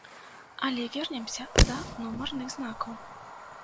Але вернемся да нумарных знакаў.